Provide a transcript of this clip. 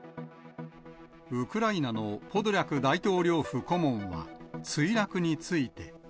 ウクライナのポドリャク大統領府顧問は墜落について。